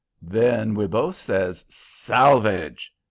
"Then we both says, 'Salvage!'